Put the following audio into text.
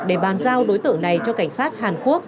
để bàn giao đối tượng này cho cảnh sát hàn quốc